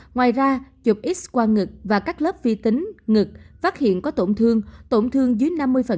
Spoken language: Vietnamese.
ngoài ra chụp x qua ngực và các lớp vi tính ngực phát hiện có tổn thương tổn thương dưới năm mươi